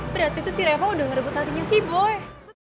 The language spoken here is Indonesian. berarti tuh si reva udah ngerebut hatinya si boy